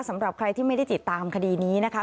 สำหรับใครที่ไม่ได้ติดตามคดีนี้นะคะ